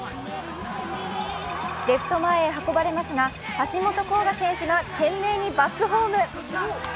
レフト前へ運ばれますが、橋本航河選手が懸命にバックホーム。